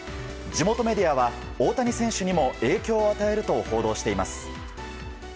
地元メディアは、大谷選手にも影響を与えると報道しています。